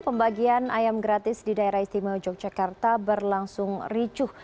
pembagian ayam gratis di daerah istimewa yogyakarta berlangsung ricuh